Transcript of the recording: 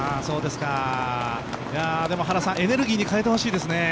でも、エネルギーに変えてほしいですね